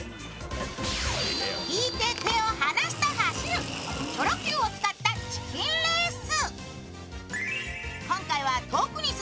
引いて手を離すと走るチョロＱを使ったチキンレース。